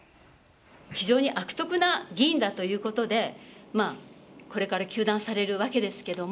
非常に悪徳な議員だということで、これから糾弾されるわけですけれども。